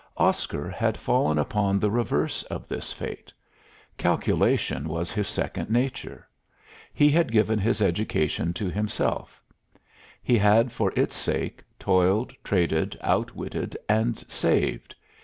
Oscar had fallen upon the reverse of this fate. Calculation was his second nature. He had given his education to himself; he had for its sake toiled, traded, outwitted, and saved.